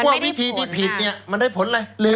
ว่าวิธีที่ผิดเนี่ยมันได้ผลอะไร